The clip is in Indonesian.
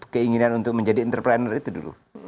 keinginan untuk menjadi entrepreneur itu dulu